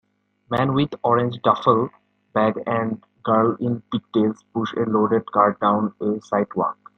Man with orange duffel bag and girl in pigtails push a loaded cart down a sidewalk.